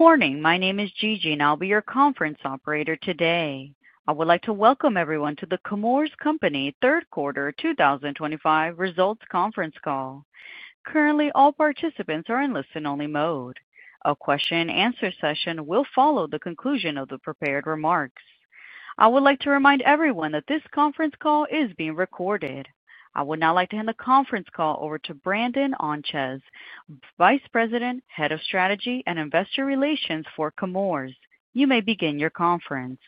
Morning. My name is Gigi, and I'll be your conference operator today. I would like to welcome everyone to The Chemours Company's third-quarter 2025 results conference call. Currently, all participants are in listen-only mode. A question-and-answer session will follow the conclusion of the prepared remarks. I would like to remind everyone that this conference call is being recorded. I would now like to hand the conference call over to Brandon Ontjes, Vice President, Head of Strategy and Investor Relations for Chemours. You may begin your conference.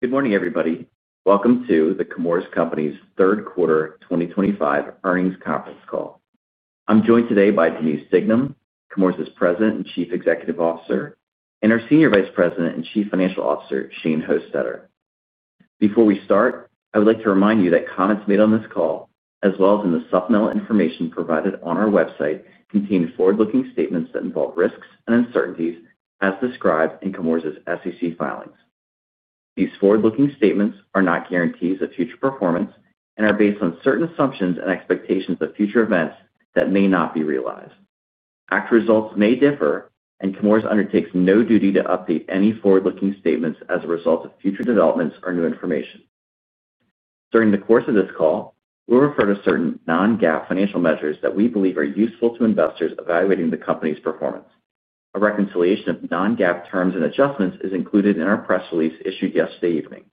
Good morning, everybody. Welcome to the Chemours Company's third-quarter 2025 earnings conference call. I'm joined today by Denise Dignam, Chemours' President and Chief Executive Officer, and our Senior Vice President and Chief Financial Officer, Shane Hostetter. Before we start, I would like to remind you that comments made on this call, as well as in the supplemental information provided on our website, contain forward-looking statements that involve risks and uncertainties, as described in Chemours' SEC filings. These forward-looking statements are not guarantees of future performance and are based on certain assumptions and expectations of future events that may not be realized. Actual results may differ, and Chemours undertakes no duty to update any forward-looking statements as a result of future developments or new information. During the course of this call, we'll refer to certain non-GAAP financial measures that we believe are useful to investors evaluating the company's performance. A reconciliation of non-GAAP terms and adjustments is included in our press release issued yesterday evening.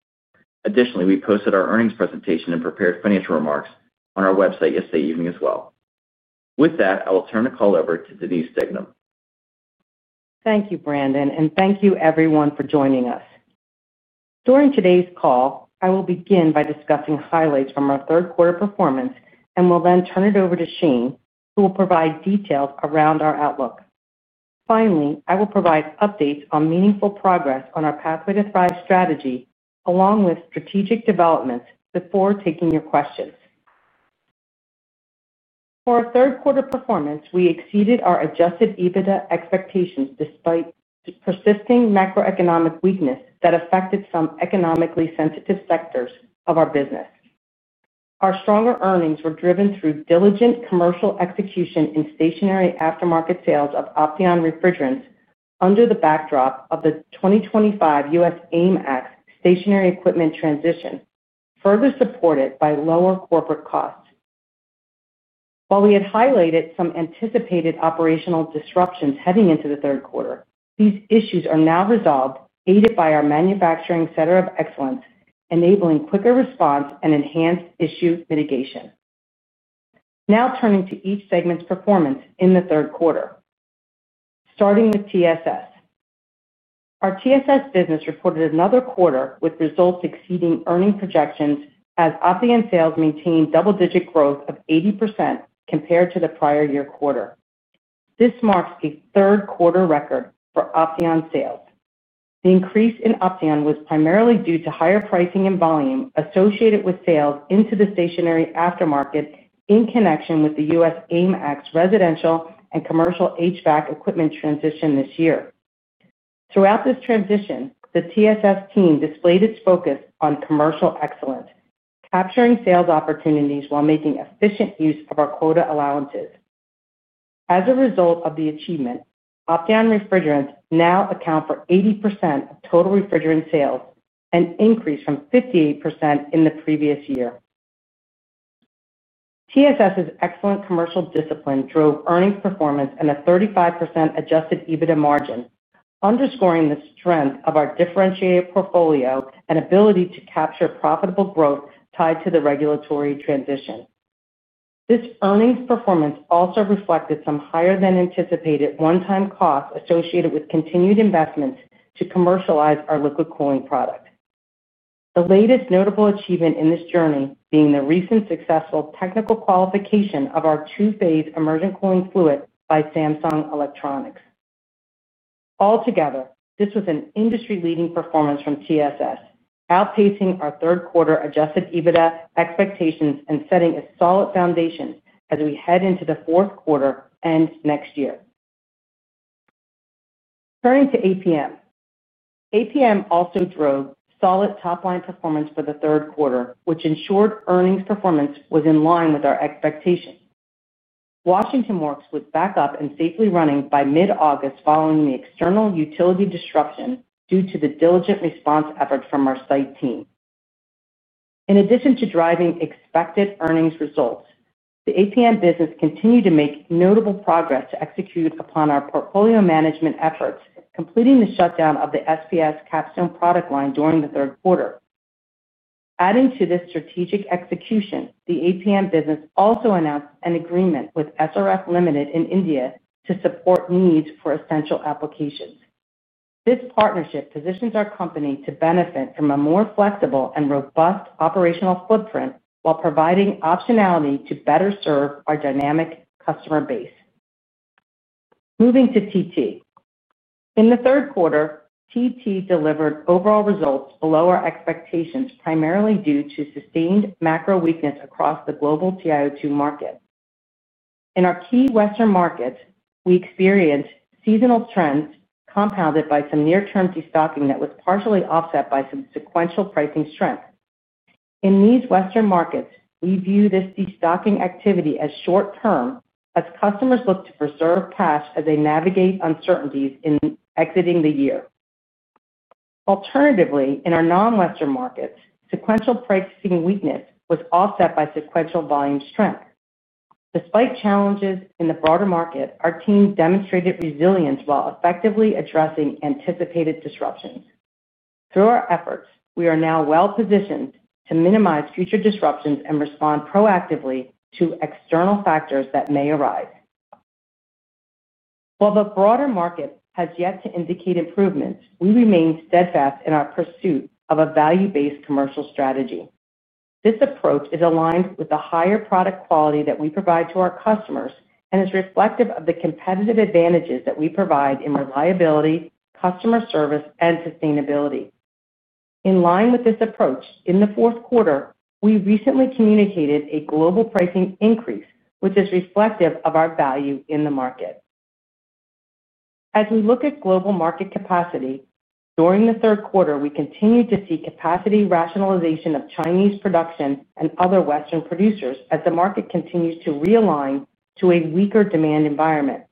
Additionally, we posted our earnings presentation and prepared financial remarks on our website yesterday evening as well. With that, I will turn the call over to Denise Dignam. Thank you, Brandon, and thank you, everyone, for joining us. During today's call, I will begin by discussing highlights from our third quarter performance and will then turn it over to Shane, who will provide details around our outlook. Finally, I will provide updates on meaningful progress on our Pathway to Thrive strategy, along with strategic developments, before taking your questions. For our third quarter performance, we exceeded our adjusted EBITDA expectations despite persisting macroeconomic weakness that affected some economically sensitive sectors of our business. Our stronger earnings were driven through diligent commercial execution in stationary aftermarket sales of Opteon Refrigerants under the backdrop of the 2025 US AIM Act stationary equipment transition, further supported by lower corporate costs. While we had highlighted some anticipated operational disruptions heading into the third quarter, these issues are now resolved, aided by our manufacturing center of excellence, enabling quicker response and enhanced issue mitigation. Now turning to each segment's performance in the third quarter, starting with TSS. Our TSS business reported another quarter with results exceeding earning projections as Opteon sales maintained double-digit growth of 80% compared to the prior year quarter. This marks a third quarter record for Opteon sales. The increase in Opteon was primarily due to higher pricing and volume associated with sales into the stationary aftermarket in connection with the US AIM Act residential and commercial HVAC equipment transition this year. Throughout this transition, the TSS team displayed its focus on commercial excellence, capturing sales opportunities while making efficient use of our quota allowances. As a result of the achievement, Opteon refrigerants now account for 80% of total refrigerant sales, an increase from 58% in the previous year. TSS's excellent commercial discipline drove earnings performance and a 35% adjusted EBITDA margin, underscoring the strength of our differentiated portfolio and ability to capture profitable growth tied to the regulatory transition. This earnings performance also reflected some higher-than-anticipated one-time costs associated with continued investments to commercialize our liquid cooling product. The latest notable achievement in this journey being the recent successful technical qualification of our two-phase immersion cooling fluid by Samsung Electronics. Altogether, this was an industry-leading performance from TSS, outpacing our third-quarter adjusted EBITDA expectations and setting a solid foundation as we head into the fourth quarter and next year. Turning to APM, APM also drove solid top-line performance for the third quarter, which ensured earnings performance was in line with our expectations. Washington Works was back up and safely running by mid-August following the external utility disruption due to the diligent response effort from our site team. In addition to driving expected earnings results, the APM business continued to make notable progress to execute upon our portfolio management efforts, completing the shutdown of the SPS Capstone product line during the third quarter. Adding to this strategic execution, the APM business also announced an agreement with SRF Limited in India to support needs for essential applications. This partnership positions our company to benefit from a more flexible and robust operational footprint while providing optionality to better serve our dynamic customer base. Moving to TT. In the third quarter, TT delivered overall results below our expectations, primarily due to sustained macro weakness across the global TiO₂ market. In our key Western markets, we experienced seasonal trends compounded by some near-term destocking that was partially offset by some sequential pricing strength. In these Western markets, we view this destocking activity as short-term, as customers look to preserve cash as they navigate uncertainties in exiting the year. Alternatively, in our non-Western markets, sequential pricing weakness was offset by sequential volume strength. Despite challenges in the broader market, our team demonstrated resilience while effectively addressing anticipated disruptions. Through our efforts, we are now well-positioned to minimize future disruptions and respond proactively to external factors that may arise. While the broader market has yet to indicate improvements, we remain steadfast in our pursuit of a value-based commercial strategy. This approach is aligned with the higher product quality that we provide to our customers and is reflective of the competitive advantages that we provide in reliability, customer service, and sustainability. In line with this approach, in the fourth quarter, we recently communicated a global pricing increase, which is reflective of our value in the market. As we look at global market capacity, during the third quarter, we continue to see capacity rationalization of Chinese production and other Western producers as the market continues to realign to a weaker demand environment.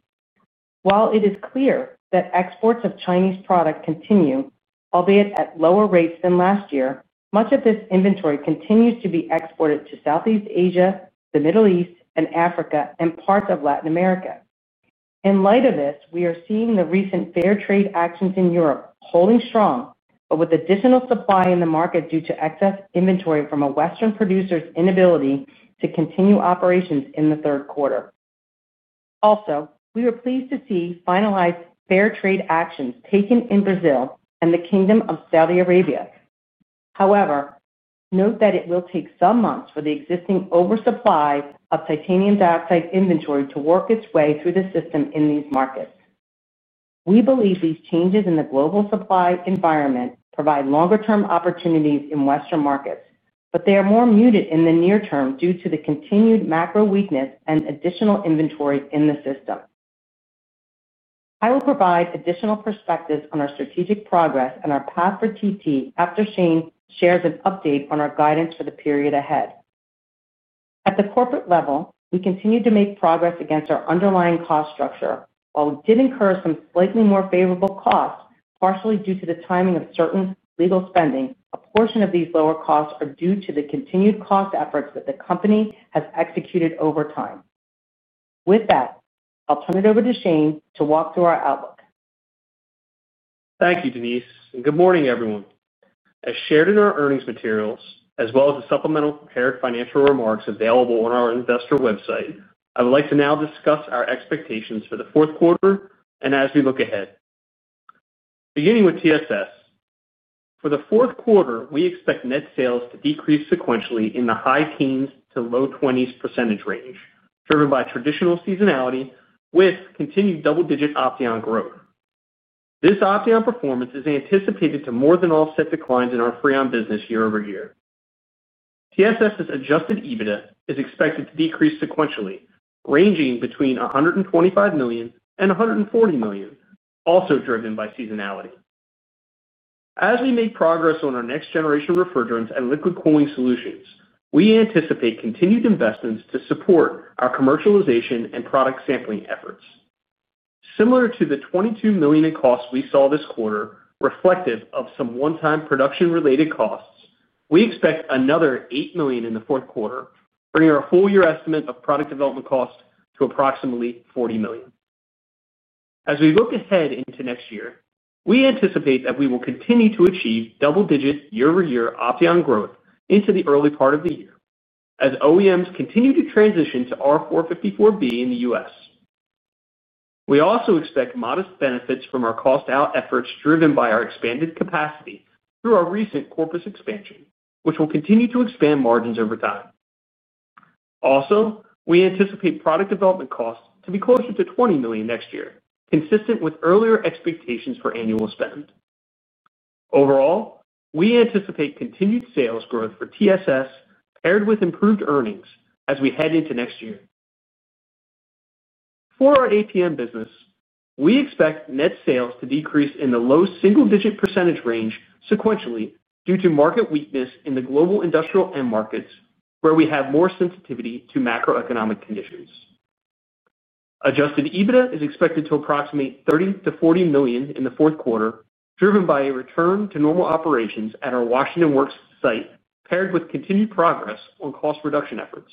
While it is clear that exports of Chinese products continue, albeit at lower rates than last year, much of this inventory continues to be exported to Southeast Asia, the Middle East, and Africa and parts of Latin America. In light of this, we are seeing the recent fair trade actions in Europe holding strong, with additional supply in the market due to excess inventory from a Western producer's inability to continue operations in the third quarter. Also, we were pleased to see finalized fair trade actions taken in Brazil and the Kingdom of Saudi Arabia. However, note that it will take some months for the existing oversupply of titanium dioxide inventory to work its way through the system in these markets. We believe these changes in the global supply environment provide longer-term opportunities in Western markets, but they are more muted in the near term due to the continued macro weakness and additional inventory in the system. I will provide additional perspectives on our strategic progress and our path for TT after Shane shares an update on our guidance for the period ahead. At the corporate level, we continue to make progress against our underlying cost structure. While we did incur some slightly more favorable costs, partially due to the timing of certain legal spending, a portion of these lower costs are due to the continued cost efforts that the company has executed over time. With that, I'll turn it over to Shane to walk through our outlook. Thank you, Denise. Good morning, everyone. As shared in our earnings materials, as well as the supplemental prepared financial remarks available on our investor website, I would like to now discuss our expectations for the fourth quarter and as we look ahead. Beginning with TSS, for the fourth quarter, we expect net sales to decrease sequentially in the high teens to low 20s % range, driven by traditional seasonality with continued double-digit Opteon growth. This Opteon performance is anticipated to more than offset declines in our Freon business year-over-year. TSS's adjusted EBITDA is expected to decrease sequentially, ranging between $125 million and $140 million, also driven by seasonality. As we make progress on our next-generation refrigerants and liquid cooling solutions, we anticipate continued investments to support our commercialization and product sampling efforts. Similar to the $22 million in costs we saw this quarter, reflective of some one-time production-related costs, we expect another $8 million in the fourth quarter, bringing our full-year estimate of product development costs to approximately $40 million. As we look ahead into next year, we anticipate that we will continue to achieve double-digit year-over-year Opteon growth into the early part of the year, as OEMs continue to transition to R-454B in the US. We also expect modest benefits from our cost-out efforts driven by our expanded capacity through our recent Corpus expansion, which will continue to expand margins over time. Also, we anticipate product development costs to be closer to $20 million next year, consistent with earlier expectations for annual spend. Overall, we anticipate continued sales growth for TSS, paired with improved earnings as we head into next year. For our APM business, we expect net sales to decrease in the low single-digit percentage range sequentially due to market weakness in the global industrial end markets, where we have more sensitivity to macroeconomic conditions. Adjusted EBITDA is expected to approximate $30 million-$40 million in the fourth quarter, driven by a return to normal operations at our Washington Works site, paired with continued progress on cost reduction efforts.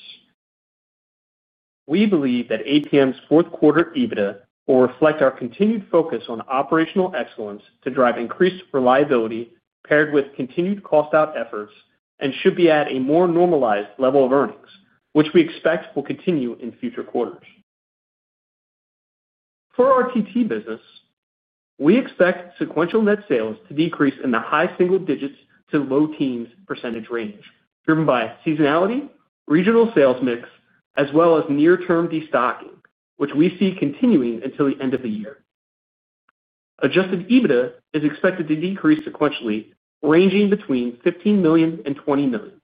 We believe that APM's fourth quarter EBITDA will reflect our continued focus on operational excellence to drive increased reliability, paired with continued cost-out efforts, and should be at a more normalized level of earnings, which we expect will continue in future quarters. For our TT business, we expect sequential net sales to decrease in the high single digits to low teens percentage range, driven by seasonality, regional sales mix, as well as near-term destocking, which we see continuing until the end of the year. Adjusted EBITDA is expected to decrease sequentially, ranging between $15 million and $20 million.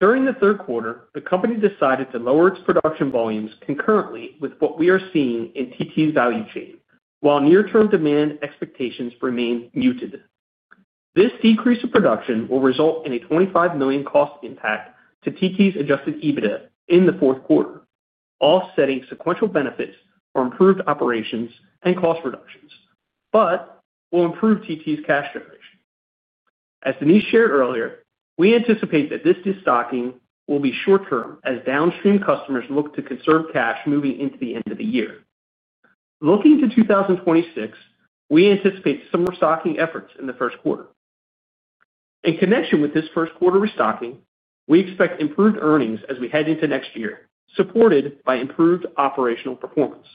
During the third quarter, the company decided to lower its production volumes concurrently with what we are seeing in TT's value chain, while near-term demand expectations remain muted. This decrease in production will result in a $25 million cost impact to TT's adjusted EBITDA in the fourth quarter, offsetting sequential benefits for improved operations and cost reductions, but will improve TT's cash generation. As Denise shared earlier, we anticipate that this destocking will be short-term as downstream customers look to conserve cash moving into the end of the year. Looking to 2026, we anticipate some restocking efforts in the first quarter. In connection with this first-quarter restocking, we expect improved earnings as we head into next year, supported by improved operational performance.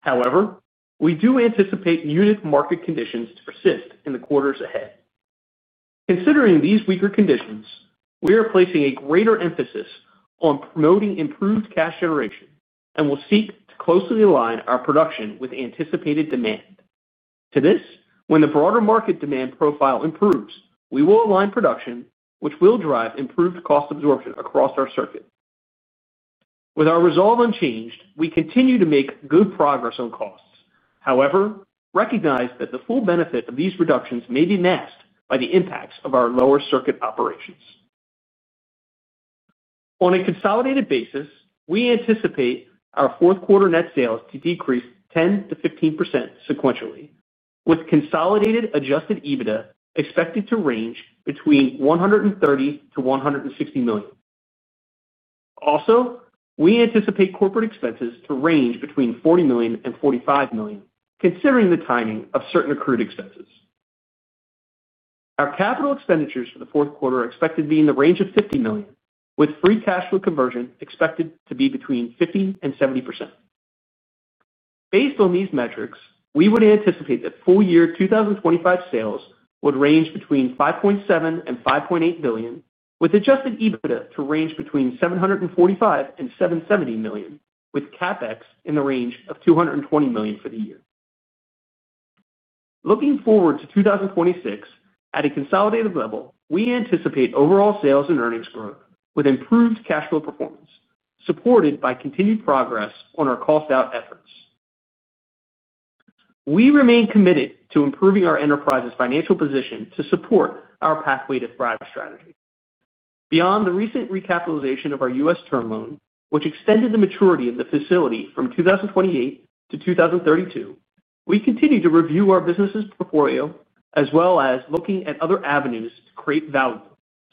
However, we do anticipate unit market conditions to persist in the quarters ahead. Considering these weaker conditions, we are placing a greater emphasis on promoting improved cash generation and will seek to closely align our production with anticipated demand. To this, when the broader market demand profile improves, we will align production, which will drive improved cost absorption across our circuit. With our resolve unchanged, we continue to make good progress on costs. However, recognize that the full benefit of these reductions may be masked by the impacts of our lower circuit operations. On a consolidated basis, we anticipate our fourth quarter net sales to decrease 10%-15% sequentially, with consolidated adjusted EBITDA expected to range between $130 million-$160 million. Also, we anticipate corporate expenses to range between $40 million and $45 million, considering the timing of certain accrued expenses. Our capital expenditures for the fourth quarter are expected to be in the range of $50 million, with free cash flow conversion expected to be between 50%-70%. Based on these metrics, we would anticipate that full-year 2025 sales would range between $5.7 billion-$5.8 billion, with adjusted EBITDA to range between $745 million-$770 million, with CapEx in the range of $220 million for the year. Looking forward to 2026, at a consolidated level, we anticipate overall sales and earnings growth, with improved cash flow performance, supported by continued progress on our cost-out efforts. We remain committed to improving our enterprise's financial position to support our Pathway to Thrive strategy. Beyond the recent recapitalization of our U.S. term loan, which extended the maturity of the facility from 2028 to 2032, we continue to review our business's portfolio, as well as looking at other avenues to create value,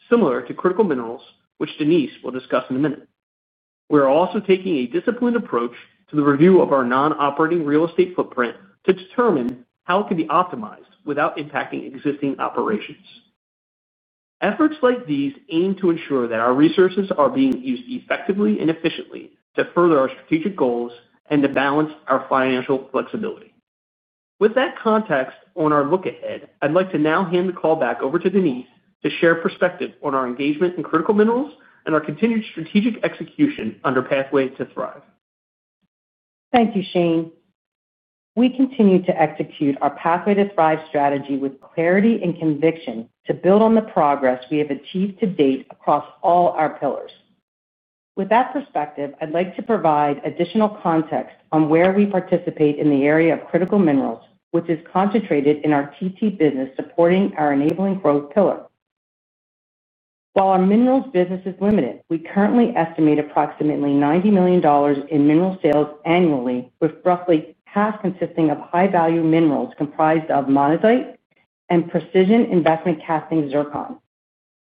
similar to critical minerals, which Denise will discuss in a minute. We are also taking a disciplined approach to the review of our non-operating real estate footprint to determine how it can be optimized without impacting existing operations. Efforts like these aim to ensure that our resources are being used effectively and efficiently to further our strategic goals and to balance our financial flexibility. With that context on our look ahead, I'd like to now hand the call back over to Denise to share perspective on our engagement in critical minerals and our continued strategic execution under Pathway to Thrive. Thank you, Shane. We continue to execute our Pathway to Thrive strategy with clarity and conviction to build on the progress we have achieved to date across all our pillars. With that perspective, I'd like to provide additional context on where we participate in the area of critical minerals, which is concentrated in our TT business, supporting our enabling growth pillar. While our minerals business is limited, we currently estimate approximately $90 million in mineral sales annually, with roughly half consisting of high-value minerals comprised of monazite and precision investment casting zircon.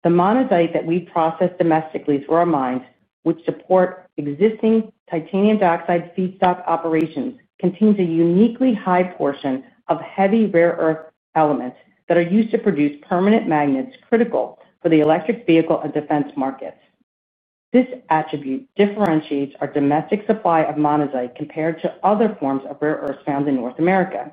The monazite that we process domestically through our mines, which support existing titanium dioxide feedstock operations, contains a uniquely high portion of heavy rare earth elements that are used to produce permanent magnets critical for the electric vehicle and defense markets. This attribute differentiates our domestic supply of monazite compared to other forms of rare earths found in North America.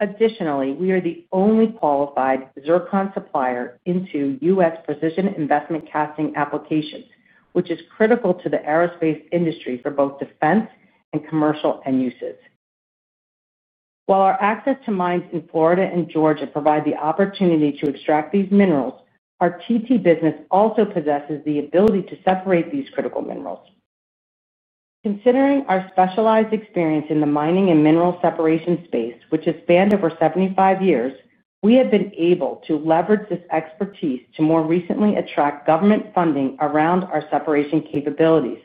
Additionally, we are the only qualified zircon supplier into U.S. precision investment casting applications, which is critical to the aerospace industry for both defense and commercial end uses. While our access to mines in Florida and Georgia provides the opportunity to extract these minerals, our TT business also possesses the ability to separate these critical minerals. Considering our specialized experience in the mining and mineral separation space, which has spanned over 75 years, we have been able to leverage this expertise to more recently attract government funding around our separation capabilities.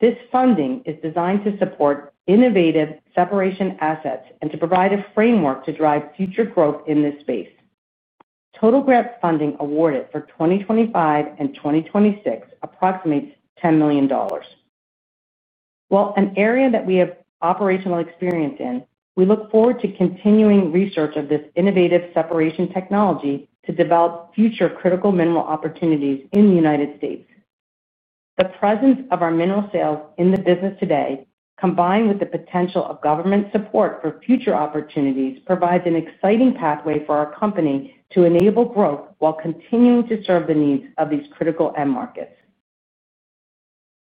This funding is designed to support innovative separation assets and to provide a framework to drive future growth in this space. Total grant funding awarded for 2025 and 2026 approximates $10 million. While an area that we have operational experience in, we look forward to continuing research of this innovative separation technology to develop future critical mineral opportunities in the United States. The presence of our mineral sales in the business today, combined with the potential of government support for future opportunities, provides an exciting pathway for our company to enable growth while continuing to serve the needs of these critical end markets.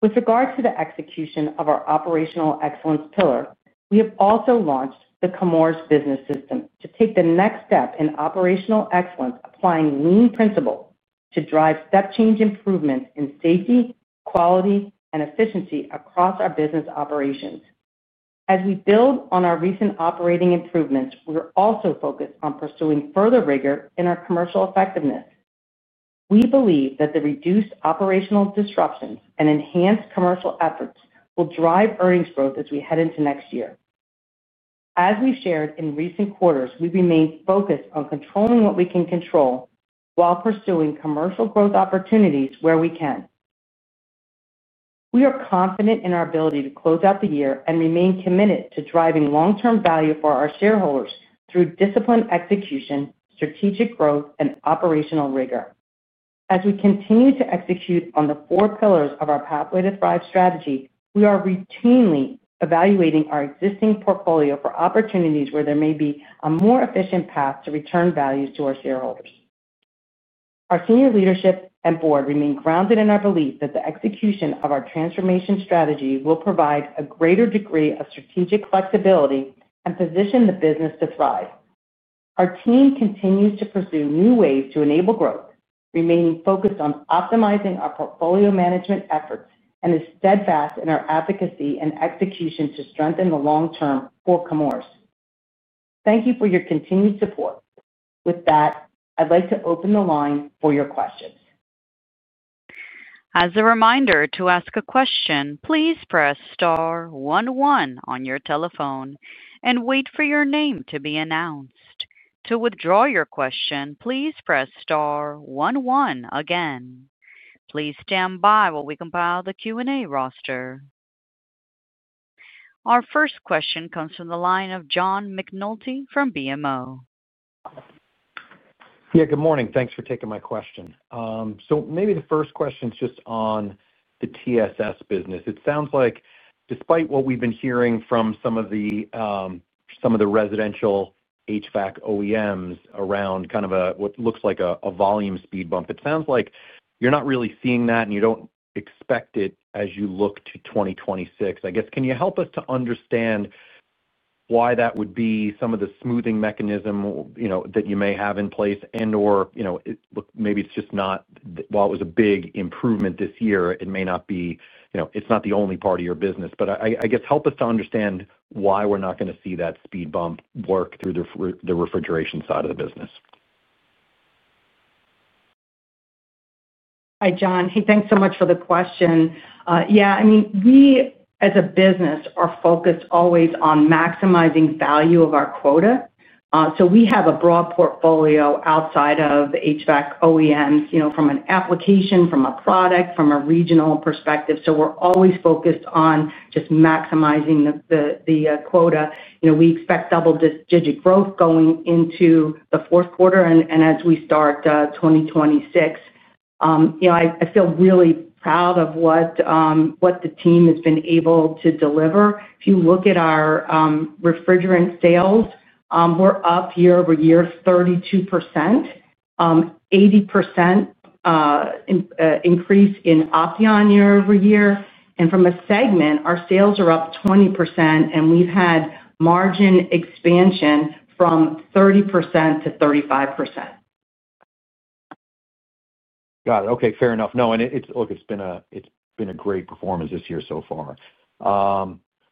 With regard to the execution of our operational excellence pillar, we have also launched the Chemours business system to take the next step in operational excellence, applying Lean principle to drive step-change improvements in safety, quality, and efficiency across our business operations. As we build on our recent operating improvements, we're also focused on pursuing further rigor in our commercial effectiveness. We believe that the reduced operational disruptions and enhanced commercial efforts will drive earnings growth as we head into next year. As we've shared in recent quarters, we remain focused on controlling what we can control while pursuing commercial growth opportunities where we can. We are confident in our ability to close out the year and remain committed to driving long-term value for our shareholders through disciplined execution, strategic growth, and operational rigor. As we continue to execute on the four pillars of our Pathway to Thrive strategy, we are routinely evaluating our existing portfolio for opportunities where there may be a more efficient path to return values to our shareholders. Our senior leadership and board remain grounded in our belief that the execution of our transformation strategy will provide a greater degree of strategic flexibility and position the business to thrive. Our team continues to pursue new ways to enable growth, remaining focused on optimizing our portfolio management efforts, and is steadfast in our advocacy and execution to strengthen the long-term for Chemours. Thank you for your continued support. With that, I'd like to open the line for your questions. As a reminder to ask a question, please press star one one on your telephone and wait for your name to be announced. To withdraw your question, please press star one one again. Please stand by while we compile the Q&A roster. Our first question comes from the line of John McNulty from BMO. Yeah, good morning. Thanks for taking my question. Maybe the first question is just on the TSS business. It sounds like, despite what we've been hearing from some of the residential HVAC OEMs around, kind of what looks like a volume speed bump, it sounds like you're not really seeing that, and you don't expect it as you look to 2026. I guess, can you help us to understand why that would be, some of the smoothing mechanism that you may have in place, and/or maybe it's just not, while it was a big improvement this year, it may not be, it's not the only part of your business. I guess, help us to understand why we're not going to see that speed bump work through the refrigeration side of the business. Hi, John. Hey, thanks so much for the question. Yeah, I mean, we as a business are focused always on maximizing value of our quota. We have a broad portfolio outside of HVAC OEMs, from an application, from a product, from a regional perspective. We are always focused on just maximizing the quota. We expect double-digit growth going into the fourth quarter and as we start 2026. I feel really proud of what the team has been able to deliver. If you look at our refrigerant sales, we are up year-over-year 32%, 80% increase in Opteon year-over-year. From a segment, our sales are up 20% and we have had margin expansion from 30% to 35%. Got it. Okay, fair enough. No, and it's been a great performance this year so far.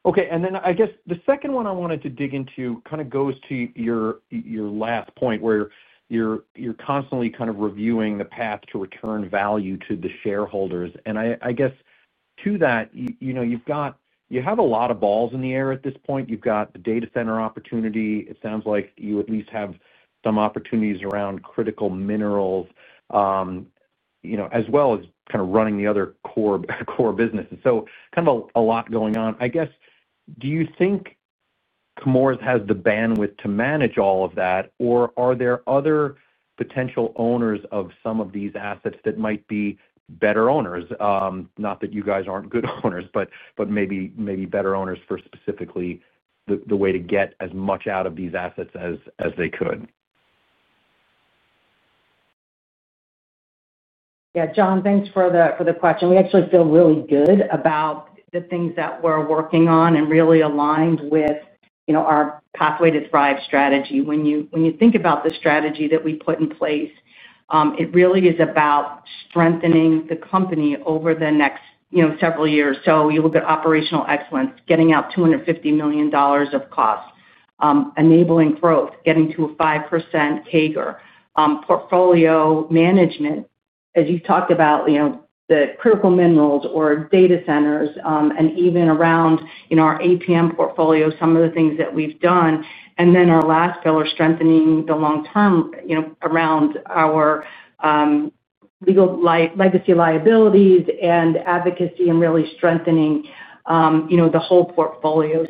Okay, I guess the second one I wanted to dig into kind of goes to your last point, where you're constantly kind of reviewing the path to return value to the shareholders. I guess to that, you have a lot of balls in the air at this point. You've got the data center opportunity. It sounds like you at least have some opportunities around critical minerals, as well as kind of running the other core businesses. Kind of a lot going on. I guess, do you think Chemours has the bandwidth to manage all of that, or are there other potential owners of some of these assets that might be better owners? Not that you guys aren't good owners, but maybe better owners for specifically the way to get as much out of these assets as they could. Yeah, John, thanks for the question. We actually feel really good about the things that we're working on and really aligned with our Pathway to Thrive strategy. When you think about the strategy that we put in place, it really is about strengthening the company over the next several years. You look at operational excellence, getting out $250 million of cost, enabling growth, getting to a 5% CAGR, portfolio management, as you talked about the critical minerals or data centers, and even around our APM portfolio, some of the things that we've done. Our last pillar, strengthening the long-term around our legacy liabilities and advocacy and really strengthening the whole portfolio.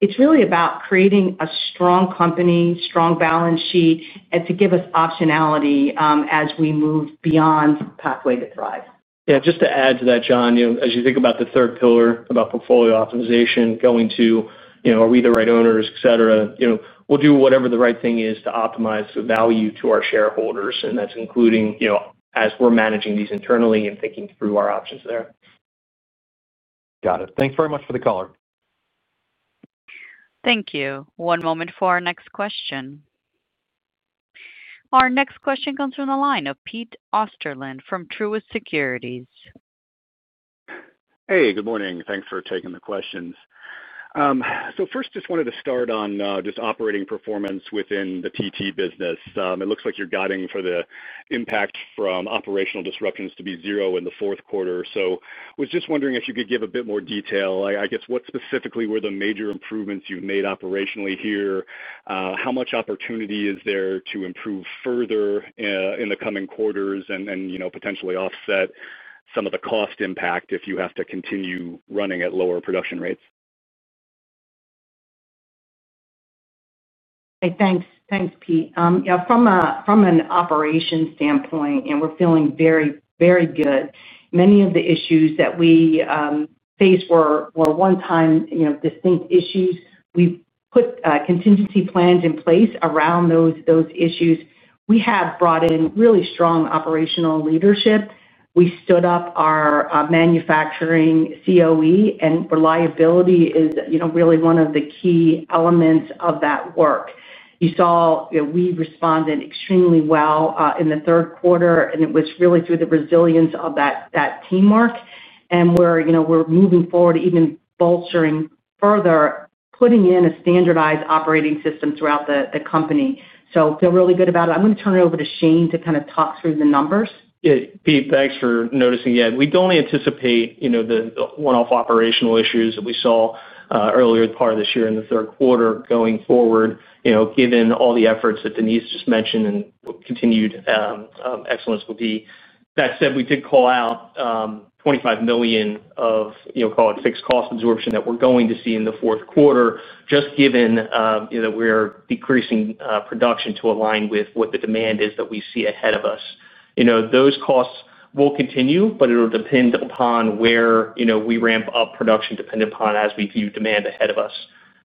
It is really about creating a strong company, strong balance sheet, and to give us optionality as we move beyond Pathway to Thrive. Yeah, just to add to that, John, as you think about the third pillar about portfolio optimization, going to, are we the right owners, et cetera, we'll do whatever the right thing is to optimize the value to our shareholders. That is including as we're managing these internally and thinking through our options there. Got it. Thanks very much for the color. Thank you. One moment for our next question. Our next question comes from the line of Pete Osterland from Truist Securities. Hey, good morning. Thanks for taking the questions. First, just wanted to start on just operating performance within the TT business. It looks like you're guiding for the impact from operational disruptions to be zero in the fourth quarter. I was just wondering if you could give a bit more detail. I guess, what specifically were the major improvements you've made operationally here? How much opportunity is there to improve further in the coming quarters and potentially offset some of the cost impact if you have to continue running at lower production rates? Thanks, Pete. Yeah, from an operation standpoint, we're feeling very, very good. Many of the issues that we faced were one-time, distinct issues. We've put contingency plans in place around those issues. We have brought in really strong operational leadership. We stood up our manufacturing COE, and reliability is really one of the key elements of that work. You saw we responded extremely well in the third quarter, and it was really through the resilience of that teamwork. We are moving forward, even bolstering further, putting in a standardized operating system throughout the company. Feel really good about it. I'm going to turn it over to Shane to kind of talk through the numbers. Yeah, Pete, thanks for noticing. Yeah, we don't anticipate the one-off operational issues that we saw earlier part of this year in the third quarter going forward, given all the efforts that Denise just mentioned and continued excellence will be. That said, we did call out $25 million of, call it fixed cost absorption that we're going to see in the fourth quarter, just given that we're decreasing production to align with what the demand is that we see ahead of us. Those costs will continue, but it'll depend upon where we ramp up production depending upon as we view demand ahead of us.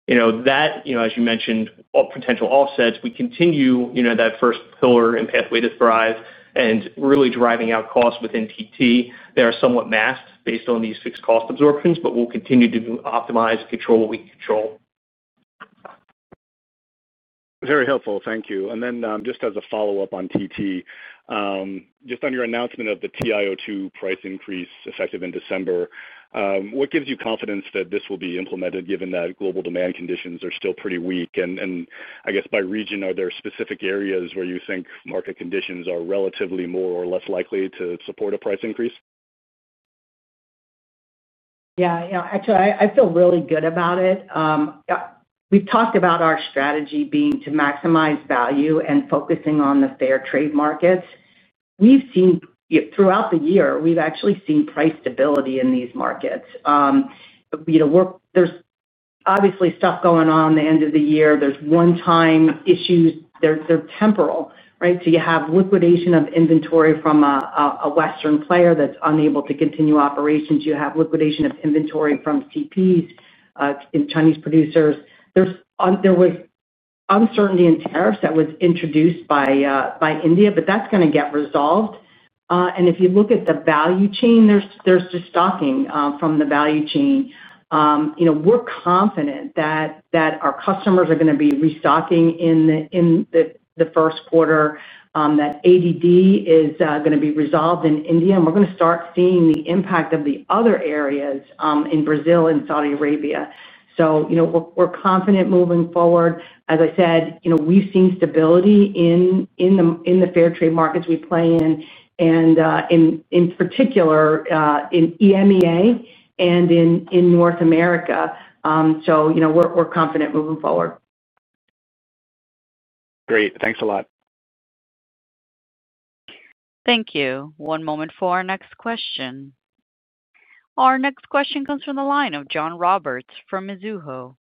That, as you mentioned, potential offsets, we continue that first pillar in Pathway to Thrive and really driving out costs within TT. They are somewhat masked based on these fixed cost absorptions, but we'll continue to optimize and control what we can control. Very helpful. Thank you. Just as a follow-up on TT, just on your announcement of the TiO₂ price increase effective in December, what gives you confidence that this will be implemented given that global demand conditions are still pretty weak? I guess by region, are there specific areas where you think market conditions are relatively more or less likely to support a price increase? Yeah, actually, I feel really good about it. We've talked about our strategy being to maximize value and focusing on the fair trade markets. Throughout the year, we've actually seen price stability in these markets. There's obviously stuff going on at the end of the year. There's one-time issues. They're temporal, right? You have liquidation of inventory from a Western player that's unable to continue operations. You have liquidation of inventory from CPs in Chinese producers. There was uncertainty in tariffs that was introduced by India, but that's going to get resolved. If you look at the value chain, there's just stocking from the value chain. We're confident that our customers are going to be restocking in the first quarter, that ADD is going to be resolved in India, and we're going to start seeing the impact of the other areas in Brazil and Saudi Arabia. We're confident moving forward. As I said, we've seen stability in the fair trade markets we play in, and in particular in EMEA and in North America. We're confident moving forward. Great. Thanks a lot. Thank you. One moment for our next question. Our next question comes from the line of John Roberts from Mizuho.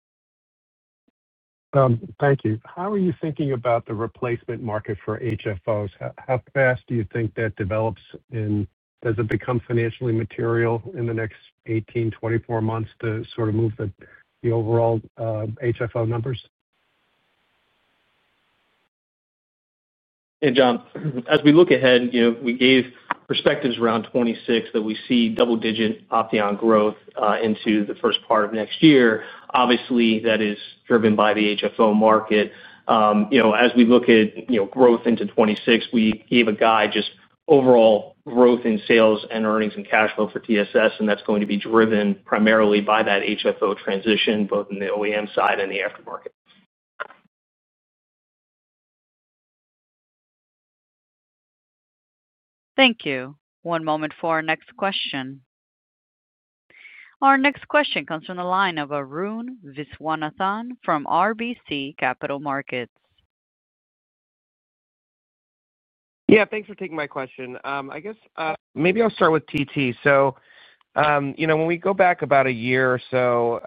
Thank you. How are you thinking about the replacement market for HFOs? How fast do you think that develops? Does it become financially material in the next 18-24 months to sort of move the overall HFO numbers? Hey, John. As we look ahead, we gave perspectives around 2026 that we see double-digit Opteon growth into the first part of next year. Obviously, that is driven by the HFO market. As we look at growth into 2026, we gave a guide just overall growth in sales and earnings, and cash flow for TSS, and that's going to be driven primarily by that HFO transition, both in the OEM side and the aftermarket. Thank you. One moment for our next question. Our next question comes from the line of Arun Viswanathan from RBC Capital Markets. Yeah, thanks for taking my question. I guess maybe I'll start with TT. When we go back about a year or so,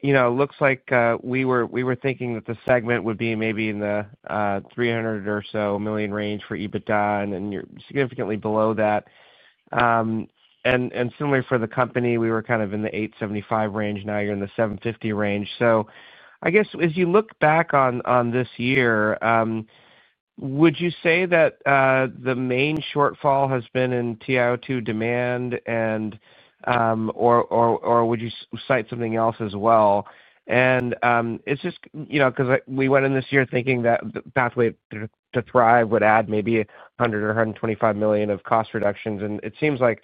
it looks like we were thinking that the segment would be maybe in the $300 million or so range for EBITDA and significantly below that. Similarly for the company, we were kind of in the $875 million range. Now you're in the $750 million range. I guess as you look back on this year, would you say that the main shortfall has been in TiO₂ demand or would you cite something else as well? It's just because we went in this year thinking that Pathway to Thrive would add maybe $100 million or $125 million of cost reductions, and it seems like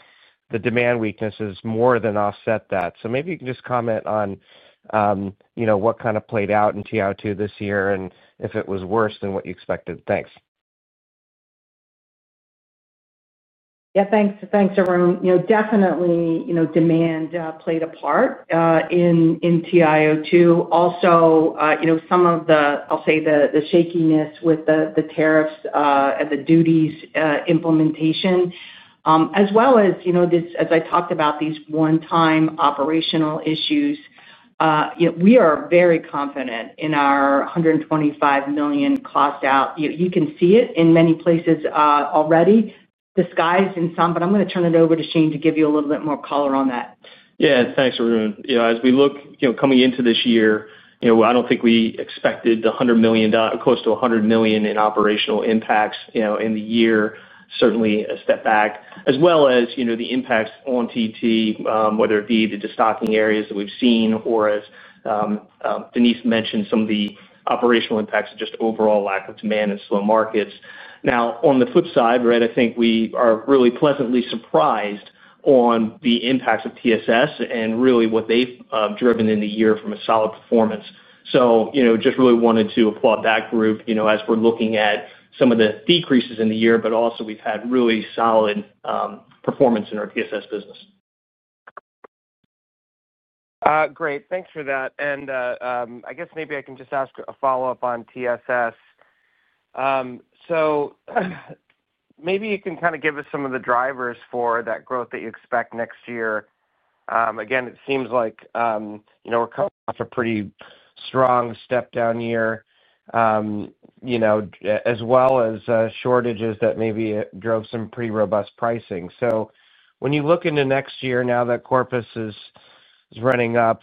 the demand weakness has more than offset that. Maybe you can just comment on what kind of played out in TiO₂ this year, and if it was worse than what you expected. Thanks. Yeah, thanks, Arun. Definitely, demand played a part in TiO₂. Also, some of the, I'll say, the shakiness with the tariffs and the duties implementation, as well as, as I talked about, these one-time operational issues. We are very confident in our $125 million cost out. You can see it in many places already, disguised in some, but I'm going to turn it over to Shane to give you a little bit more color on that. Yeah, thanks, Arun. As we look coming into this year, I do not think we expected close to $100 million in operational impacts in the year, certainly a step back, as well as the impacts on TT, whether it be the destocking areas that we have seen or, as Denise mentioned, some of the operational impacts of just overall lack of demand in slow markets. Now, on the flip side, right, I think we are really pleasantly surprised on the impacts of TSS and really what they have driven in the year from a solid performance. Just really wanted to applaud that group as we are looking at some of the decreases in the year, but also we have had really solid performance in our TSS business. Great. Thanks for that. I guess maybe I can just ask a follow-up on TSS. Maybe you can kind of give us some of the drivers for that growth that you expect next year. Again, it seems like we're coming off a pretty strong step-down year as well as shortages that maybe drove some pretty robust pricing. When you look into next year, now that Corpus is running up,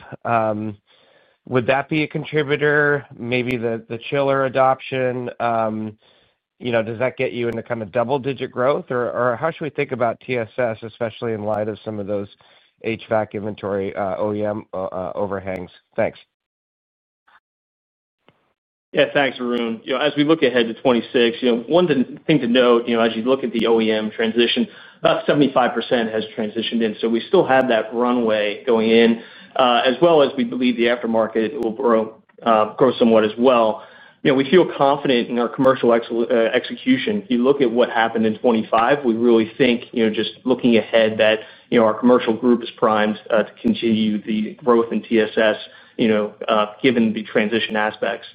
would that be a contributor? Maybe the chiller adoption, does that get you into kind of double-digit growth? How should we think about TSS, especially in light of some of those HVAC inventory OEM overhangs? Thanks. Yeah, thanks, Arun. As we look ahead to 2026, one thing to note as you look at the OEM transition, about 75% has transitioned in. We still have that runway going in, as well as we believe the aftermarket will grow somewhat as well. We feel confident in our commercial execution. If you look at what happened in 2025, we really think, just looking ahead, that our commercial group is primed to continue the growth in TSS given the transition aspects.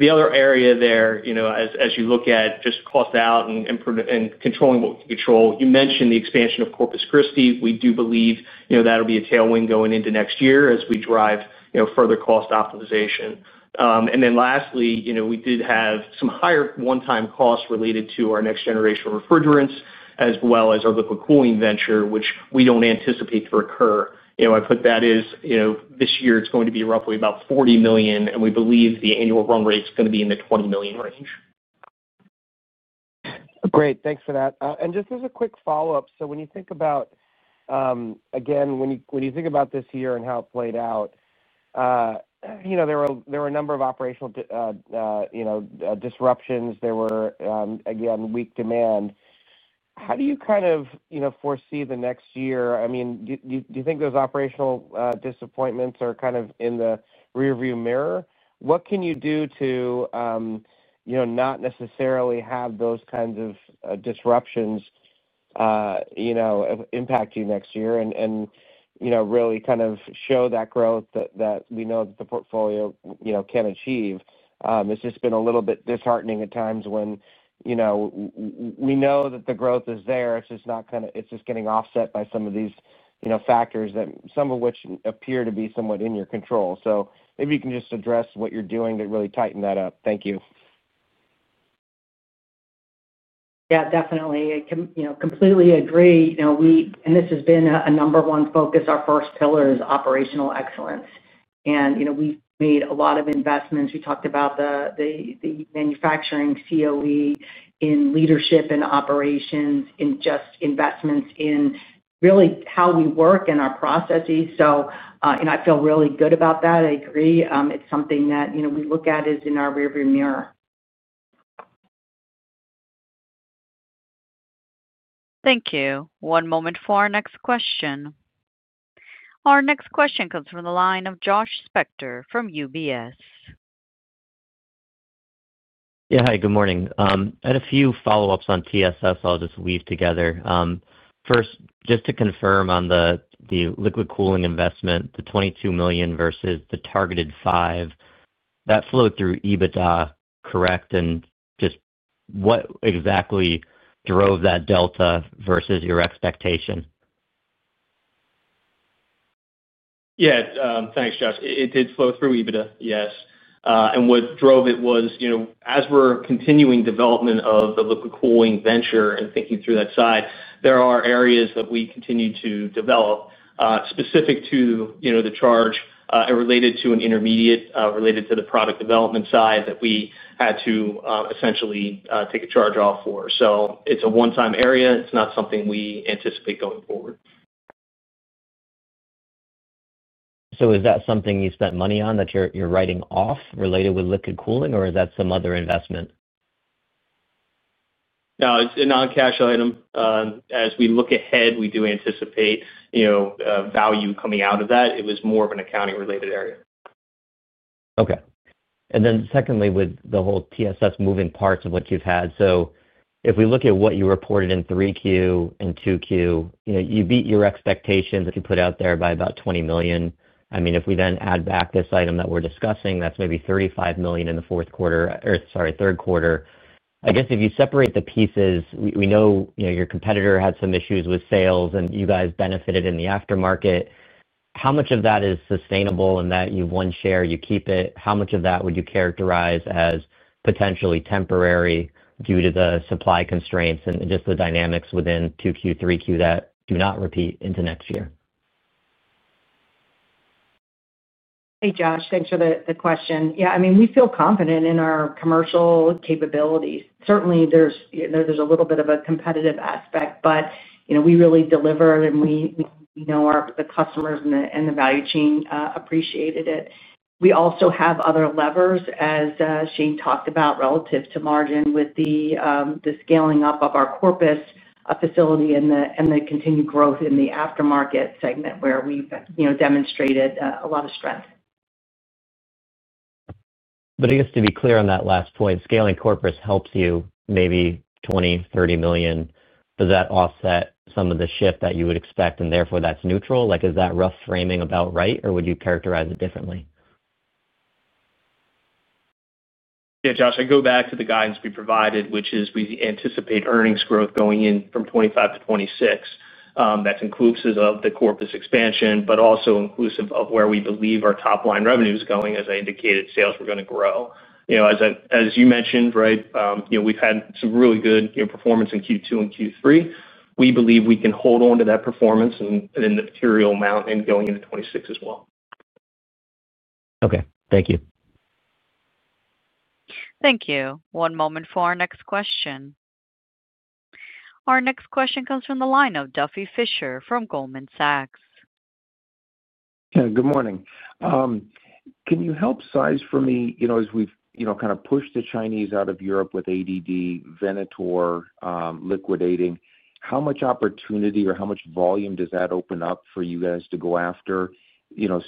The other area there, as you look at just cost out and controlling what we can control, you mentioned the expansion of Corpus Christi. We do believe that will be a tailwind going into next year as we drive further cost optimization. Lastly, we did have some higher one-time costs related to our next-generation refrigerants as well as our liquid cooling venture, which we do not anticipate to occur. I put that as this year, it is going to be roughly about $40 million, and we believe the annual run rate is going to be in the $20 million range. Great. Thanks for that. Just as a quick follow-up, when you think about, again, when you think about this year and how it played out, there were a number of operational disruptions. There were, again, weak demand. How do you kind of foresee the next year? I mean, do you think those operational disappointments are kind of in the rearview mirror? What can you do to not necessarily have those kinds of disruptions impact you next year and really kind of show that growth that we know that the portfolio can achieve? It's just been a little bit disheartening at times when we know that the growth is there. It's just not kind of—it's just getting offset by some of these factors, some of which appear to be somewhat in your control. Maybe you can just address what you're doing to really tighten that up. Thank you. Yeah, definitely. I completely agree. This has been a number one focus. Our first pillar is operational excellence. We have made a lot of investments. We talked about the manufacturing COE in leadership and operations and just investments in really how we work and our processes. I feel really good about that. I agree. It is something that we look at as in our rearview mirror. Thank you. One moment for our next question. Our next question comes from the line of Josh Spector from UBS. Yeah, hi, good morning. I had a few follow-ups on TSS I'll just weave together. First, just to confirm on the liquid cooling investment, the $22 million versus the targeted $5 million, that flowed through EBITDA, correct? And just what exactly drove that delta versus your expectation? Yeah, thanks, Josh. It did flow through EBITDA, yes. What drove it was, as we're continuing development of the liquid cooling venture and thinking through that side, there are areas that we continue to develop specific to the charge and related to an intermediate related to the product development side that we had to essentially take a charge off for. It is a one-time area. It is not something we anticipate going forward. Is that something you spent money on that you're writing off related with liquid cooling, or is that some other investment? No, it's a non-cash item. As we look ahead, we do anticipate value coming out of that. It was more of an accounting-related area. Okay. And then secondly, with the whole TSS moving parts of what you've had, if we look at what you reported in 3Q and 2Q, you beat your expectations that you put out there by about $20 million. I mean, if we then add back this item that we're discussing, that's maybe $35 million in the fourth quarter or, sorry, third quarter. I guess if you separate the pieces, we know your competitor had some issues with sales, and you guys benefited in the aftermarket. How much of that is sustainable in that you've won share, you keep it? How much of that would you characterize as potentially temporary due to the supply constraints and just the dynamics within 2Q, 3Q that do not repeat into next year? Hey, Josh, thanks for the question. Yeah, I mean, we feel confident in our commercial capabilities. Certainly, there is a little bit of a competitive aspect, but we really deliver, and we know the customers and the value chain appreciated it. We also have other levers, as Shane talked about, relative to margin with the scaling up of our Corpus facility and the continued growth in the aftermarket segment, where we have demonstrated a lot of strength. I guess to be clear on that last point, scaling Corpus helps you maybe $20 million-$30 million. Does that offset some of the shift that you would expect, and therefore that's neutral? Is that rough framing about right, or would you characterize it differently? Yeah, Josh, I go back to the guidance we provided, which is we anticipate earnings growth going in from 2025 to 2026. That's inclusive of the Corpus expansion, but also inclusive of where we believe our top-line revenue is going. As I indicated, sales were going to grow. As you mentioned, right, we've had some really good performance in Q2 and Q3. We believe we can hold on to that performance and then the material mountain going into 2026 as well. Okay. Thank you. Thank you. One moment for our next question. Our next question comes from the line of Duffy Fischer from Goldman Sachs. Good morning. Can you help size for me, as we've kind of pushed the Chinese out of Europe with ADD, Venator liquidating? How much opportunity or how much volume does that open up for you guys to go after?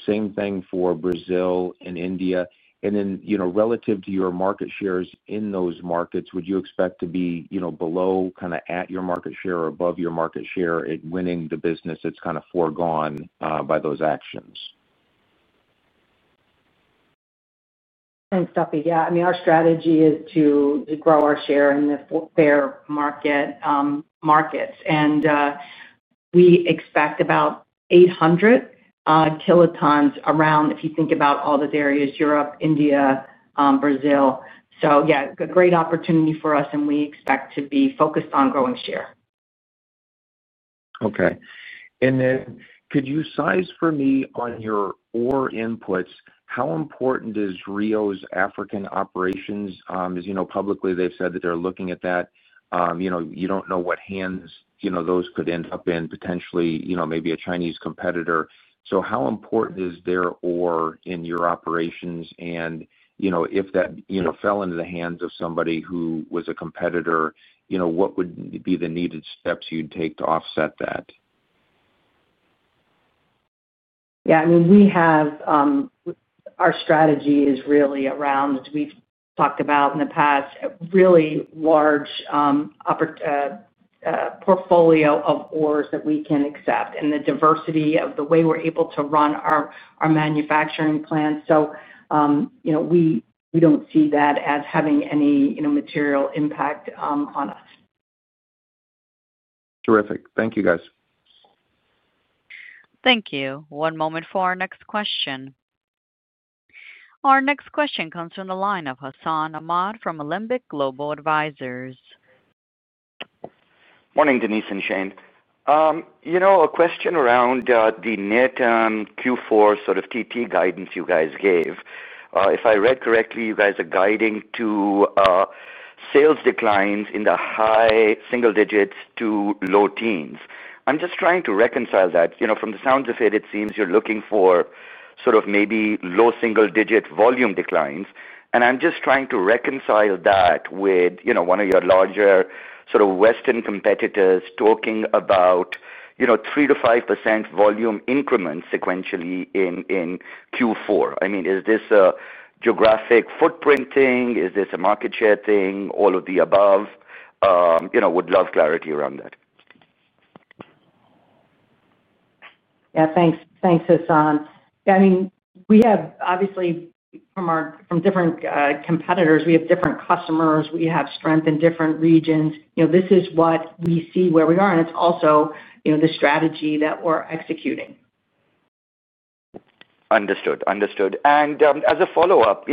Same thing for Brazil and India. Then relative to your market shares in those markets, would you expect to be below, kind of at your market share or above your market share in winning the business that's kind of foregone by those actions? Duffy, yeah. I mean, our strategy is to grow our share in the fair markets. We expect about 800 kilotons around, if you think about all those areas, Europe, India, Brazil. Yeah, a great opportunity for us, and we expect to be focused on growing share. Okay. Could you size for me on your ore inputs? How important is Rio's African operations? As you know, publicly, they've said that they're looking at that. You don't know what hands those could end up in, potentially, maybe a Chinese competitor. How important is their ore in your operations? If that fell into the hands of somebody who was a competitor, what would be the needed steps you'd take to offset that? Yeah. I mean, our strategy is really around, as we've talked about in the past, a really large portfolio of ores that we can accept and the diversity of the way we're able to run our manufacturing plant. We do not see that as having any material impact on us. Terrific. Thank you, guys. Thank you. One moment for our next question. Our next question comes from the line of Hassan Ahmed from Alembic Global Advisors.s Morning, Denise and Shane. A question around the net Q4 sort of TT guidance you guys gave. If I read correctly, you guys are guiding to sales declines in the high single digits to low teens. I'm just trying to reconcile that. From the sounds of it, it seems you're looking for sort of maybe low single-digit volume declines. And I'm just trying to reconcile that with one of your larger sort of Western competitors talking about 3%-5% volume increments sequentially in Q4. I mean, is this a geographic footprint thing? Is this a market share thing? All of the above. Would love clarity around that. Yeah, thanks, Hassan. I mean, we have obviously from different competitors, we have different customers. We have strength in different regions. This is what we see where we are, and it's also the strategy that we're executing. Understood. Understood. As a follow-up,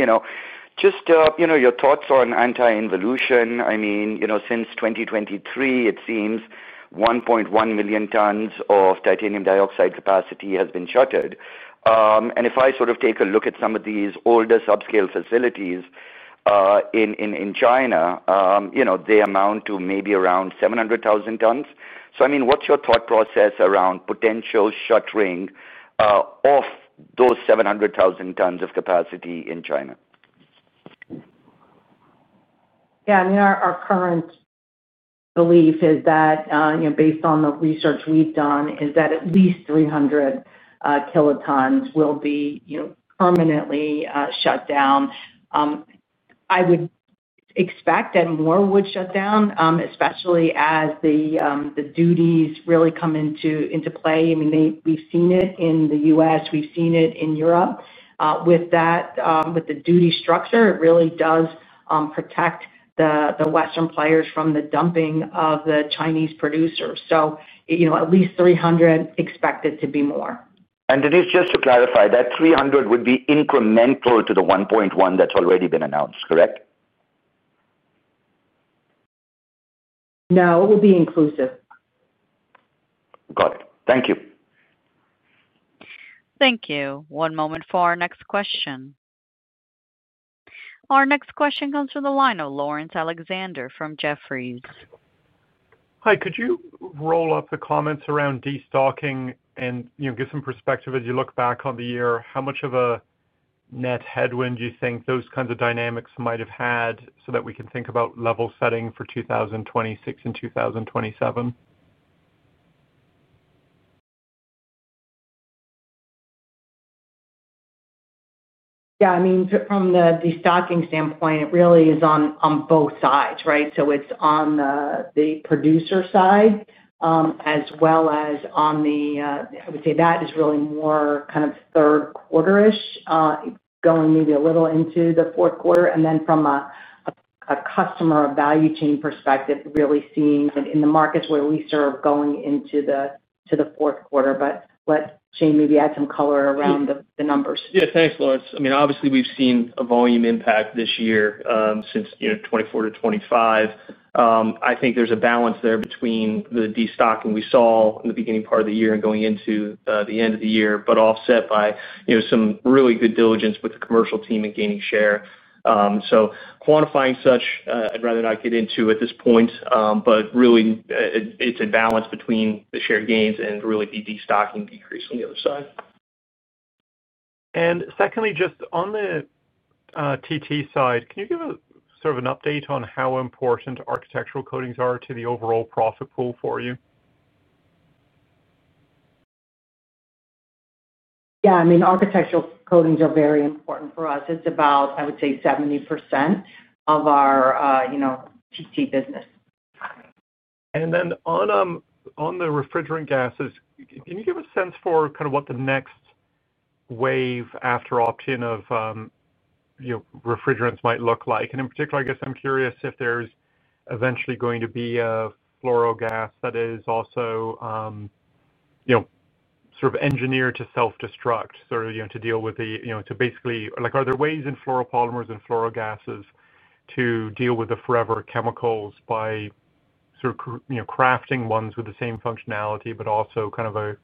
just your thoughts on anti-involution. I mean, since 2023, it seems 1.1 million tons of titanium dioxide capacity has been shuttered. If I sort of take a look at some of these older subscale facilities in China, they amount to maybe around 700,000 tons. I mean, what is your thought process around potential shuttering of those 700,000 tons of capacity in China? Yeah. I mean, our current belief is that based on the research we've done, is that at least 300 kilotons will be permanently shut down. I would expect that more would shut down, especially as the duties really come into play. I mean, we've seen it in the U.S. We've seen it in Europe. With the duty structure, it really does protect the Western players from the dumping of the Chinese producers. So at least 300 kilotons, expect it to be more. Denise, just to clarify, that 300 kilotons would be incremental to the 1.1 million tons that's already been announced, correct? No, it will be inclusive. Got it. Thank you. Thank you. One moment for our next question. Our next question comes from the line of Laurence Alexander from Jefferies. Hi. Could you roll up the comments around destocking and give some perspective as you look back on the year? How much of a net headwind do you think those kinds of dynamics might have had so that we can think about level setting for 2026 and 2027? Yeah. I mean, from the destocking standpoint, it really is on both sides, right? So it's on the producer side as well as on the, I would say that is really more kind of third quarter-ish, going maybe a little into the fourth quarter. From a customer or value chain perspective, really seeing it in the markets where we serve going into the fourth quarter. Let Shane maybe add some color around the numbers. Yeah. Thanks, Laurence. I mean, obviously, we've seen a volume impact this year since 2024 to 2025. I think there's a balance there between the destocking we saw in the beginning part of the year and going into the end of the year, but offset by some really good diligence with the commercial team and gaining share. So quantifying such, I'd rather not get into at this point, but really it's a balance between the share gains and really the destocking decrease on the other side. Secondly, just on the TT side, can you give us sort of an update on how important architectural coatings are to the overall profit pool for you? Yeah. I mean, architectural coatings are very important for us. It's about, I would say, 70% of our TT business. On the refrigerant gases, can you give a sense for kind of what the next wave after Opteon refrigerants might look like? In particular, I guess I'm curious if there's eventually going to be a fluorogas that is also sort of engineered to self-destruct, sort of to deal with the, to basically, are there ways in fluoropolymer and fluorogases to deal with the forever chemicals by sort of crafting ones with the same functionality, but also kind of a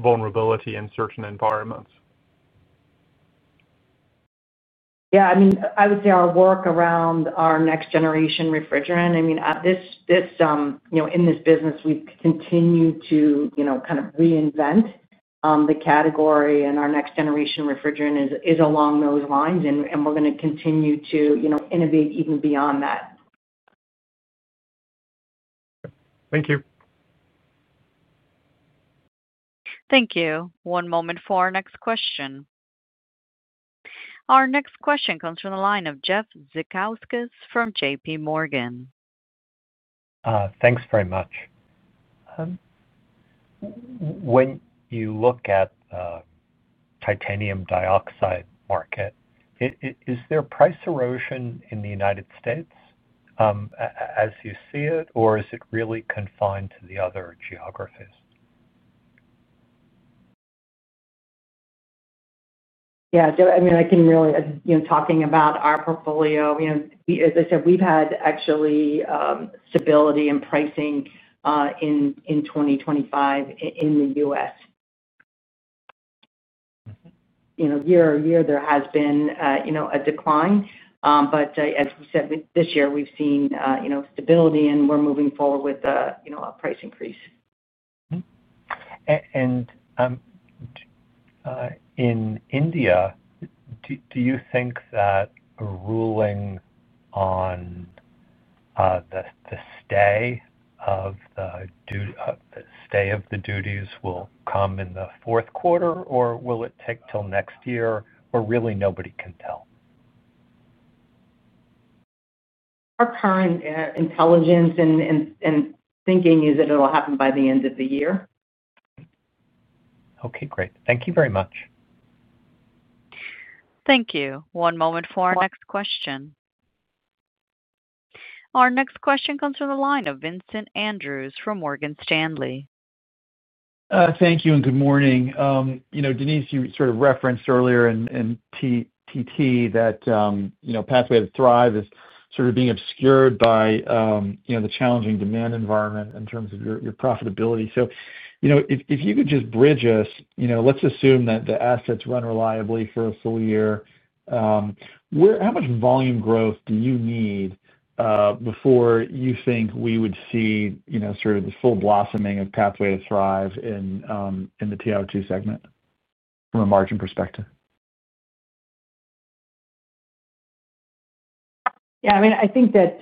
vulnerability in certain environments? Yeah. I mean, I would say our work around our next-generation refrigerant, I mean, in this business, we've continued to kind of reinvent the category, and our next-generation refrigerant is along those lines. We're going to continue to innovate even beyond that. Okay. Thank you. Thank you. One moment for our next question. Our next question comes from the line of Jeff Zekauskas from JPMorgan. Thanks very much. When you look at the titanium dioxide market, is there price erosion in the United States as you see it, or is it really confined to the other geographies? Yeah. I mean, I can really talking about our portfolio, as I said, we've had actually stability in pricing in 2025 in the U.S. Year-over-year, there has been a decline. As we said, this year, we've seen stability, and we're moving forward with a price increase. In India, do you think that ruling on the stay of the duties will come in the fourth quarter, or will it take till next year, or really nobody can tell? Our current intelligence and thinking is that it'll happen by the end of the year. Okay. Great. Thank you very much. Thank you. One moment for our next question. Our next question comes from the line of Vincent Andrews from Morgan Stanley. Thank you, and good morning. Denise, you sort of referenced earlier in TT that Pathway to Thrive is sort of being obscured by the challenging demand environment in terms of your profitability. If you could just bridge us, let's assume that the assets run reliably for a full year. How much volume growth do you need before you think we would see sort of the full blossoming of Pathway to Thrive in the TiO₂ segment from a margin perspective? Yeah. I mean, I think that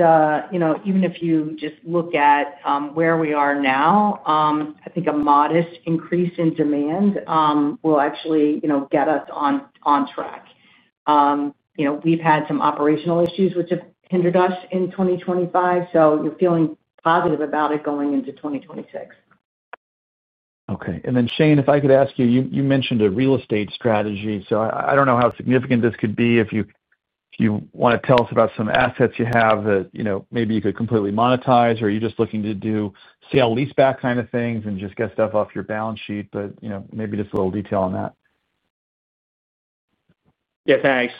even if you just look at where we are now, I think a modest increase in demand will actually get us on track. We've had some operational issues which have hindered us in 2025, so feeling positive about it going into 2026. Okay. Shane, if I could ask you, you mentioned a real estate strategy. I do not know how significant this could be if you want to tell us about some assets you have that maybe you could completely monetize, or you are just looking to do sale lease-back kind of things and just get stuff off your balance sheet, but maybe just a little detail on that. Yeah. Thanks.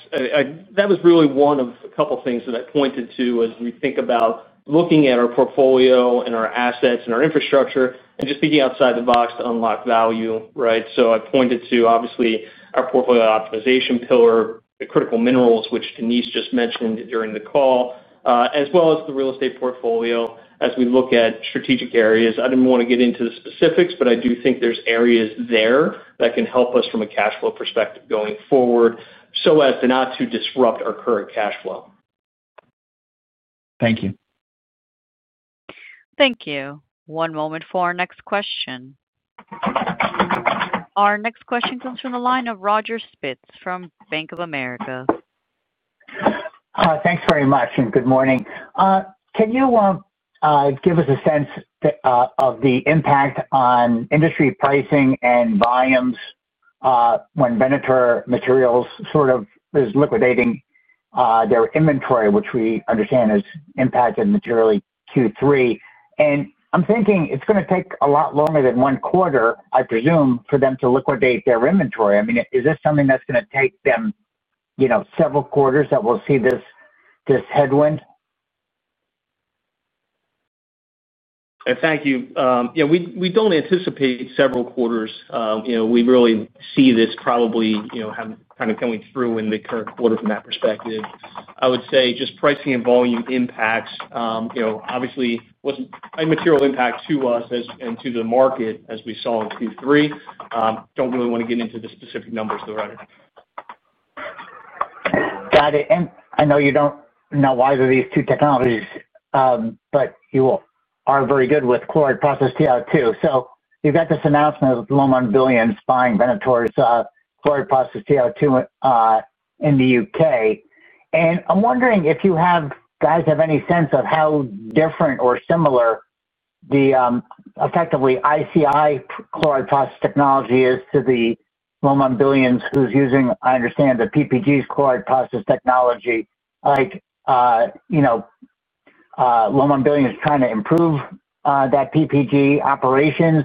That was really one of a couple of things that I pointed to as we think about looking at our portfolio and our assets and our infrastructure and just thinking outside the box to unlock value, right? I pointed to, obviously, our portfolio optimization pillar, the critical minerals, which Denise just mentioned during the call, as well as the real estate portfolio as we look at strategic areas. I did not want to get into the specifics, but I do think there are areas there that can help us from a cash flow perspective going forward so as to not disrupt our current cash flow. Thank you. Thank you. One moment for our next question. Our next question comes from the line of Roger Spitz from Bank of America. Thanks very much, and good morning. Can you give us a sense of the impact on industry pricing and volumes when Venator Materials sort of is liquidating their inventory, which we understand has impacted materially Q3? I am thinking it is going to take a lot longer than one quarter, I presume, for them to liquidate their inventory. I mean, is this something that is going to take them several quarters that we will see this headwind? Thank you. Yeah. We do not anticipate several quarters. We really see this probably kind of coming through in the current quarter from that perspective. I would say just pricing and volume impacts, obviously, was a material impact to us and to the market as we saw in Q3. Do not really want to get into the specific numbers, though, right? Got it. I know you do not know either of these two technologies, but you are very good with chloride process TiO₂. You have this announcement of Lomon Billions buying Venator's chloride process TiO₂ in the U.K. I am wondering if you guys have any sense of how different or similar, effectively, ICI chloride process technology is to the Lomon Billions, who is using, I understand, the PPG's chloride process technology. Like Lomon Billions, trying to improve that PPG operations.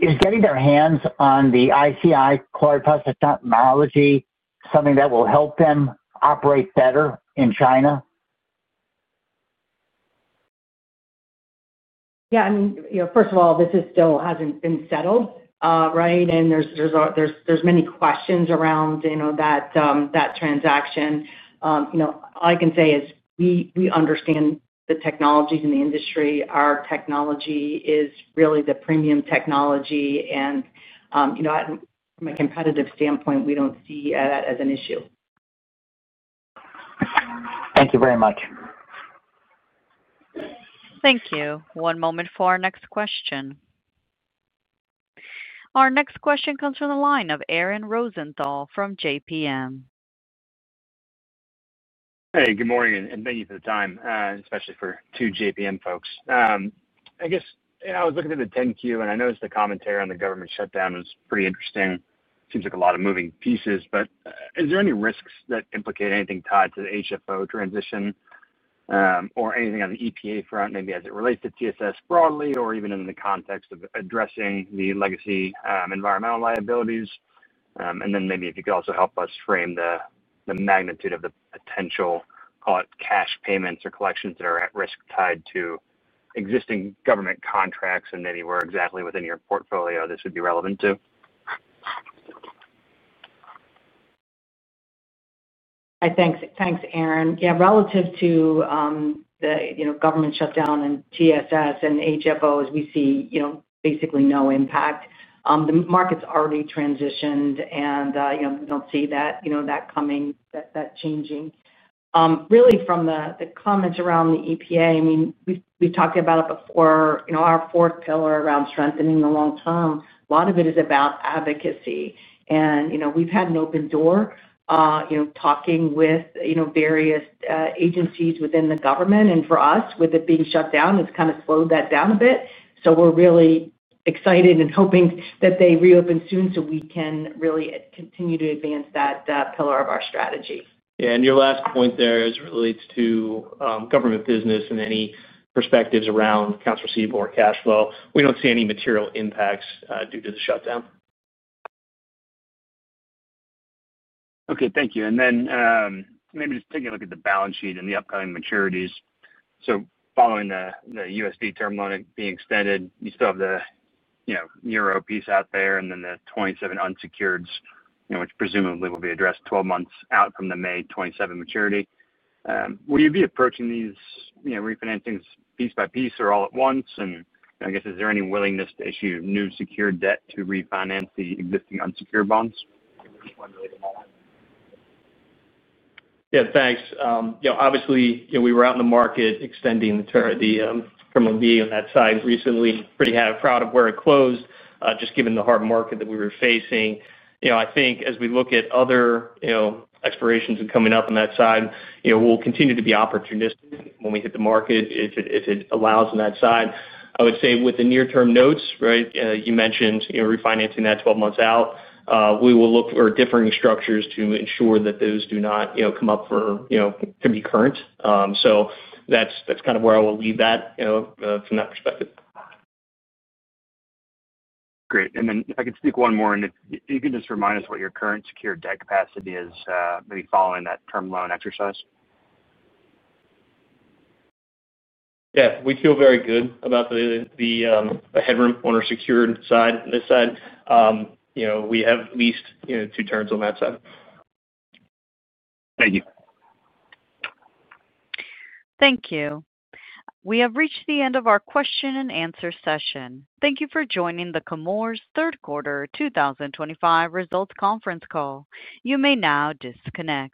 Is getting their hands on the ICI chloride process technology something that will help them operate better in China? Yeah. I mean, first of all, this still hasn't been settled, right? There are many questions around that transaction. All I can say is we understand the technologies in the industry. Our technology is really the premium technology. From a competitive standpoint, we don't see that as an issue. Thank you very much. Thank you. One moment for our next question. Our next question comes from the line of Aaron Rosenthal from JPMorgan. Hey, good morning, and thank you for the time, especially for two JPM folks. I guess I was looking at the 10Q, and I noticed the commentary on the government shutdown was pretty interesting. Seems like a lot of moving pieces, but is there any risks that implicate anything tied to the HFO transition or anything on the EPA front, maybe as it relates to TSS broadly or even in the context of addressing the legacy environmental liabilities? Maybe if you could also help us frame the magnitude of the potential, call it cash payments or collections that are at risk tied to existing government contracts and maybe where exactly within your portfolio this would be relevant to. Thanks, Aaron. Yeah. Relative to the government shutdown and TSS and HFOs, we see basically no impact. The market's already transitioned, and we do not see that changing. Really, from the comments around the EPA, I mean, we have talked about it before. Our fourth pillar around strengthening the long term, a lot of it is about advocacy. We have had an open door talking with various agencies within the government. For us, with it being shut down, it has kind of slowed that down a bit. We are really excited and hoping that they reopen soon so we can really continue to advance that pillar of our strategy. Yeah. Your last point there as it relates to government business and any perspectives around accounts receivable or cash flow, we do not see any material impacts due to the shutdown. Okay. Thank you. Maybe just taking a look at the balance sheet and the upcoming maturities. Following the USD term loan being extended, you still have the Euro piece out there and then the 2027 unsecureds, which presumably will be addressed 12 months out from the May 2027 maturity. Will you be approaching these refinancings piece by piece or all at once? I guess, is there any willingness to issue new secured debt to refinance the existing unsecured bonds? Yeah. Thanks. Obviously, we were out in the market extending the terminal V on that side recently. Pretty proud of where it closed, just given the hard market that we were facing. I think as we look at other expirations coming up on that side, we'll continue to be opportunistic when we hit the market if it allows on that side. I would say with the near-term notes, right, you mentioned refinancing that 12 months out, we will look for differing structures to ensure that those do not come up for to be current. So that's kind of where I will leave that from that perspective. Great. If I could speak one more, if you can just remind us what your current secured debt capacity is, maybe following that term loan exercise. Yeah. We feel very good about the headroom on our secured side. This side, we have at least two terms on that side. Thank you. Thank you. We have reached the end of our question-and-answer session. Thank you for joining the Chemours third quarter 2025 results conference call. You may now disconnect.